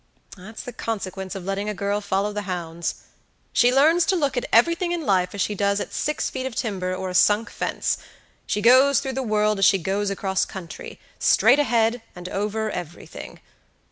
That's the consequence of letting a girl follow the hounds. She learns to look at everything in life as she does at six feet of timber or a sunk fence; she goes through the world as she goes across countrystraight ahead, and over everything.